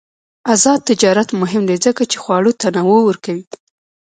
آزاد تجارت مهم دی ځکه چې خواړه تنوع ورکوي.